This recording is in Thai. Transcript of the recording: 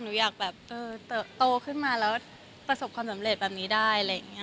หนูอยากโตขึ้นมาแล้วประสบความสำเร็จแบบนี้ได้